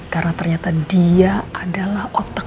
karena ternyata dia adalah otak